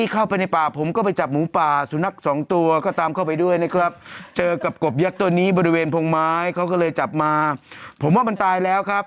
เขาก็เลยจับมาผมว่ามันตายแล้วครับ